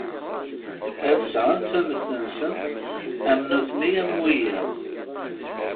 Ad sɛun tunet-nsen am nutni am wiyaḍ.